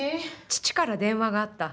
「父から電話があった。